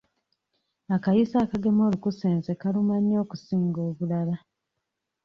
Akayiso akagema olukusense kaluma nnyo okusinga obulala.